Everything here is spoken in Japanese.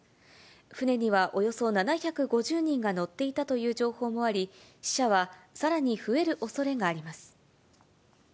船にはおよそ７５０人が乗っていたという情報もあり、死者はさらに増えるおそれがあります。